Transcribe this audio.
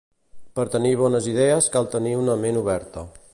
Per tenir bones idees cal tenir una ment oberta